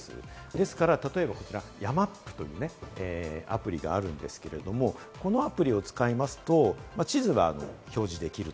ですから例えばこちら、ＹＡＭＡＰというアプリがあるんですけれども、このアプリを使いますと、地図が表示できる。